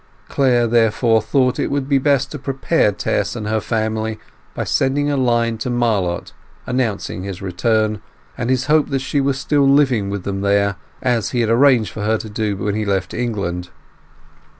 Clare therefore thought it would be best to prepare Tess and her family by sending a line to Marlott announcing his return, and his hope that she was still living with them there, as he had arranged for her to do when he left England.